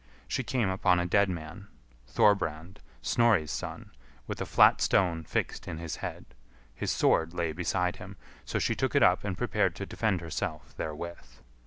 She came upon a dead man; Thorbrand, Snorri's son, with a flat stone fixed in his head; his sword lay beside him, so she took it up and prepared to defend herself therewith.